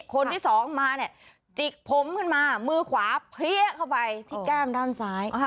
คนที่สองมาเนี่ยจิกผมขึ้นมามือขวาเพี้ยเข้าไปที่แก้มด้านซ้าย